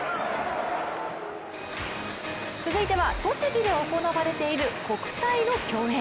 続いては栃木で行われている国体の競泳。